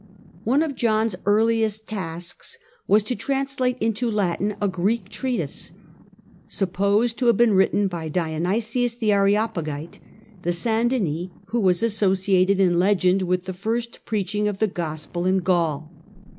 One of John's earliest tasks was to translate into Latin a Greek treatise supposed to have been written by Dionysius the Areopagite, the St. Denis who was associ ated in legend with the first preaching of the Gospel in Gaul.